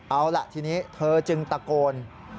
เอาล่ะทีนี้เธอจึงตะโกน